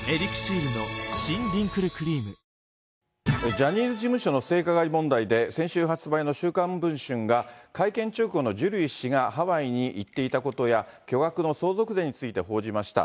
ジャニーズ事務所の性加害問題で、先週発売の週刊文春が会見直後のジュリー氏がハワイに行っていたことや、巨額の相続税について報じました。